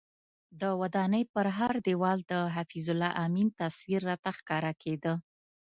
د ودانۍ پر هر دیوال د حفیظ الله امین تصویر راته ښکاره کېده.